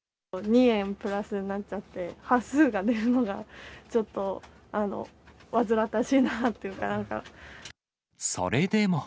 ２円プラスになっちゃって、端数が出るのが、ちょっと煩わしいなっていうか、なんか。